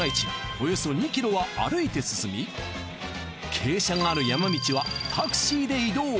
およそ２ｋｍは歩いて進み傾斜がある山道はタクシーで移動。